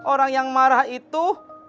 orang yang marah itu